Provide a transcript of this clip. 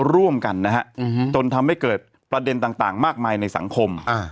ร่วมกันนะฮะจนทำให้เกิดประเด็นต่างมากมายในสังคม